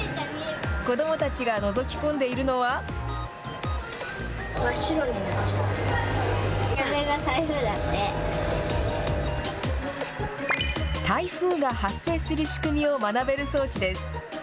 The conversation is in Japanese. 子どもたちがのぞき込んでいるの台風の発生する仕組みを学べる装置です。